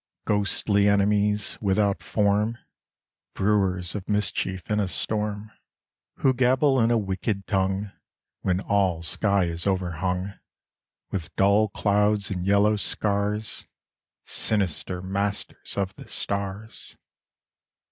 Ghostly enemies without form. Brewers of mischief in a storm, 92 The Soul's Defence. Who gabblt^ in a wicked tongue When all sky is overhung With dull clouds and yellow scars, Sinister masters of the stars.